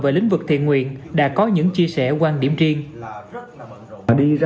về lĩnh vực thiện nguyện đã có những chia sẻ quan điểm riêng